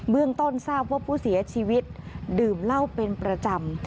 เรื่องต้นทราบว่าผู้เสียชีวิตดื่มเหล้าเป็นประจำ